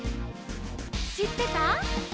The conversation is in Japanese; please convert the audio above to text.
「しってた？」